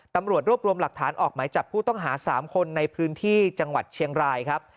ตำรวจรวบรวมหลักฐานออกหมายจับผู้ต้องหา๓คนในพื้นที่จังหวัดเชียงรายครับ